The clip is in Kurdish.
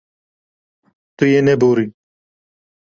Tu yê neborî.